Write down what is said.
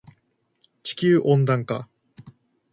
地球温暖化